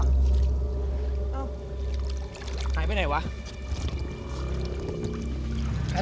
มันว่าไอ้ลุงมันพาไปไหน